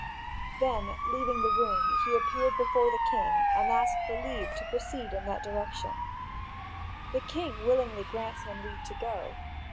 Then, leaving the room, he appeared before the king and asked for leave to proceed in that direction. And the king willingly grants him leave to go.